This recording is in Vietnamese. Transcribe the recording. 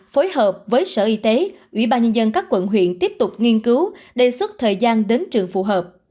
phối hợp với sở y tế ủy ban nhân dân các quận huyện tiếp tục nghiên cứu đề xuất thời gian đến trường phù hợp